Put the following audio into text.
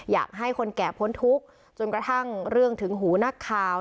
อยากให้คนแก่พ้นทุกข์จนกระทั่งเรื่องถึงหูนักข่าว